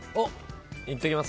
いっときますか？